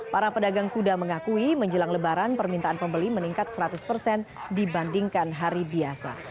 para pedagang kuda mengakui menjelang lebaran permintaan pembeli meningkat seratus persen dibandingkan hari biasa